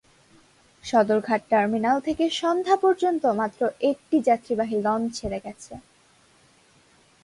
Sadarghat terminal থেকে সন্ধ্যা পর্যন্ত মাত্র একটি যাত্রীবাহী লঞ্চ ছেড়ে গেছে।